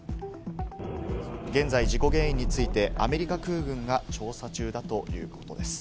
現在、事故原因についてアメリカ空軍が調査中だということです。